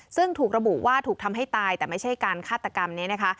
ซึ่งถูกระบุว่าถูกทำให้ตายแต่ไม่ใช่การฆาตกรรมนี้นะคะ